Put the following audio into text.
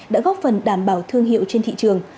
đã góp phần đảm bảo thương hiệu trên thị trường